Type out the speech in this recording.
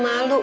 mau jadi malu